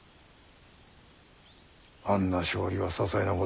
あんな勝利はささいなこと。